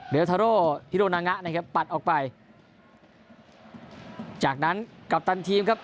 เลทาโร่ฮิโรนางะนะครับปัดออกไปจากนั้นกัปตันทีมครับ